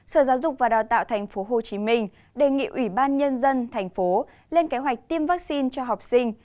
sở giáo dục và đào tạo thành phố hồ chí minh đề nghị ủy ban nhân dân thành phố lên kế hoạch tiêm vaccine cho học sinh